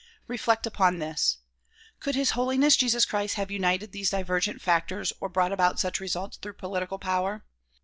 Reflect upon this. Could His Holiness Jesus Christ have united these divergent factors or brought about such results through political power?